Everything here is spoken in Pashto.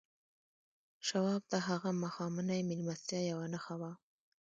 شواب ته هغه ماښامنۍ مېلمستیا یوه نښه وه